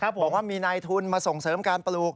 บอกว่ามีนายทุนมาส่งเสริมการปลูก